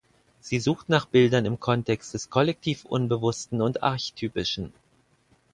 Sie sucht nach Bildern im Kontext des kollektiv Unbewussten und Archtypischen.